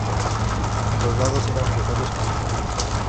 Los dados eran frijoles con puntos.